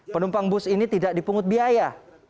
penumpang bus ini tidak dipungut biaya